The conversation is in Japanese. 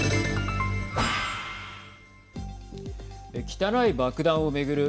汚い爆弾を巡る